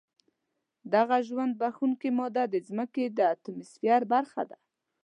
دغه ژوند بښونکې ماده د ځمکې د اتموسفیر برخه ده.